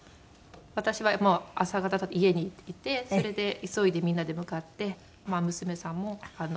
私は朝方家にいてそれで急いでみんなで向かって娘さんも。